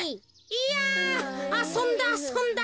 いやあそんだあそんだ。